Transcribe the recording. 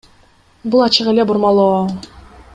Бул ачык эле бурмалоо.